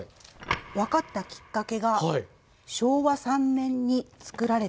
分かったきっかけが昭和３年に作られていた。